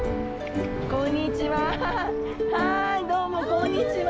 こんにちは。